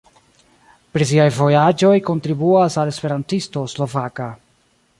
Pri siaj vojaĝoj kontribuas al Esperantisto Slovaka.